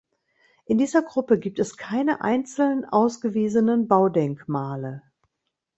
In dieser Gruppe gibt es keine einzeln ausgewiesenen Baudenkmale.